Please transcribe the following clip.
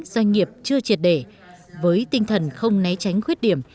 doanh nghiệp chưa triệt để với tinh thần không né tránh khuyết điểm